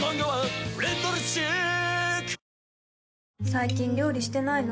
最近料理してないの？